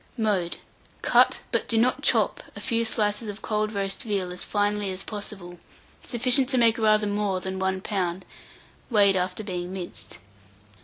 Mode. Cut but do not chop a few slices of cold roast veal as finely as possible, sufficient to make rather more than 1 lb., weighed after being minced.